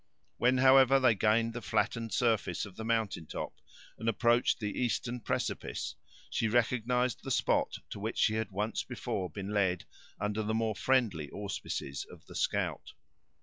When, however, they gained the flattened surface of the mountain top, and approached the eastern precipice, she recognized the spot to which she had once before been led under the more friendly auspices of the scout.